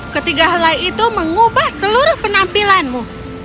ketiga helai itu mengubah seluruh penampilanmu